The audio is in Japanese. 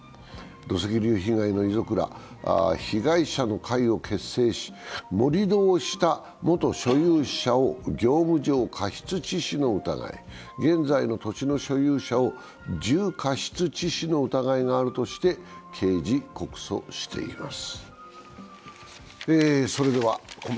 土石流被害の遺族ら、被害者の会を結成し盛り土をした元所有者を業務上過失致死の疑い、現在の土地の所有者を重過失致死の疑いがあるとして刑事告訴しています。